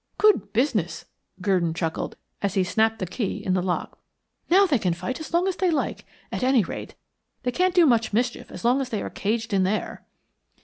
"Good business," Gurdon chuckled as he snapped the key in the lock. "Now they can fight as long as they like. At any rate, they can't do much mischief so long as they are caged in there."